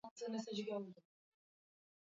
ukiangalia hali halisi ya siasa za tanzania